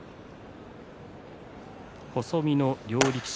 細身の両力士。